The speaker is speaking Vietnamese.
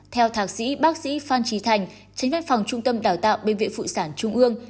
theo thạc sĩ bác sĩ phan trí thành tránh văn phòng trung tâm đào tạo bệnh viện phụ sản trung ương